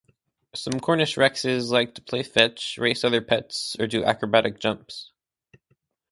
Some Cornish Rexes like to play fetch, race other pets, or do acrobatic jumps.